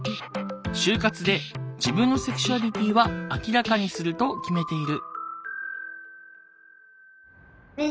就活で自分のセクシュアリティーは明らかにすると決めている。